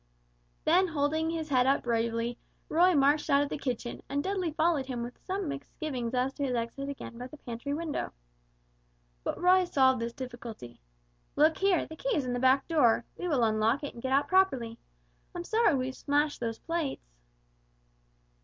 Then holding his head up bravely, Roy marched out of the kitchen, and Dudley followed him with some misgivings as to his exit again by the pantry window. But Roy solved this difficulty. "Look here, the key is in the back door; we will unlock it and get out properly. I'm sorry we've smashed those plates."